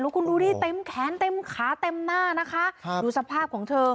แล้วคุณดูที่เต็มแขนเต็มขาเต็มหน้านะคะครับดูสภาพของเธอ